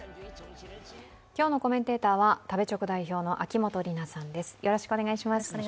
今日のコメンテーターは食べチョク代表の秋元里奈さんです。